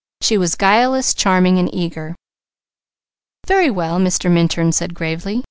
She was guileless, charming, and eager. "Very well," Mr. Minturn said gravely.